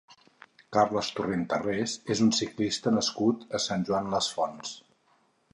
Carles Torrent Tarrés és un ciclista nascut a Sant Joan les Fonts.